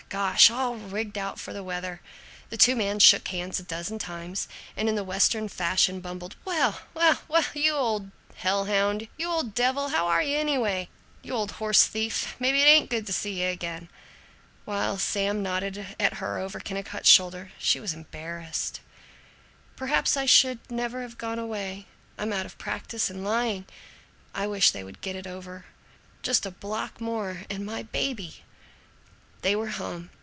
Gosh, all rigged out for the weather." The two men shook hands a dozen times and, in the Western fashion, bumbled, "Well, well, well, well, you old hell hound, you old devil, how are you, anyway? You old horse thief, maybe it ain't good to see you again!" While Sam nodded at her over Kennicott's shoulder, she was embarrassed. "Perhaps I should never have gone away. I'm out of practise in lying. I wish they would get it over! Just a block more and my baby!" They were home.